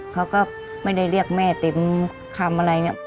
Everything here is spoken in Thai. เขาก็ไม่ได้เรียกแม่เต็มคำอะไรเนี่ย